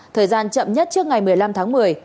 thời gian chậm nhất trước ngày một mươi năm tháng một mươi